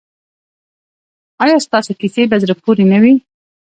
ایا ستاسو کیسې په زړه پورې نه دي؟